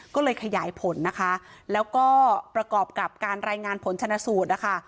ก็เลยขยายผลนะคะแล้วก็ประกอบกับการรายงานผลชนะสูตรนะคะ